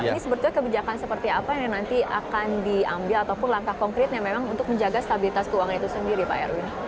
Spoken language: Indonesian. ini sebetulnya kebijakan seperti apa yang nanti akan diambil ataupun langkah konkretnya memang untuk menjaga stabilitas keuangan itu sendiri pak erwin